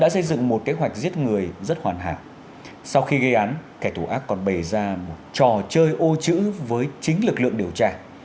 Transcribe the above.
sau khi gây án kẻ thù ác còn bày ra một trò chơi ô chữ với chính lực lượng điều tra